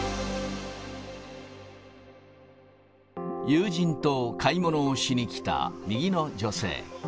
友人と買い物をしに来た右の女性。